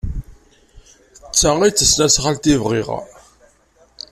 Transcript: D ta ay d tasnasɣalt ay bɣiɣ.